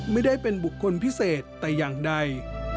ไม่ได้เป็นบุคคลพิเศษแต่อย่างใด